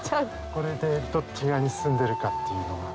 これでどっち側に進んでるかっていうのが。